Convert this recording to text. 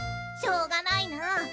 しようがないなぁ。